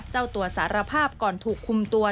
เจ้าตัวสารภาพก่อนถูกคุมตัว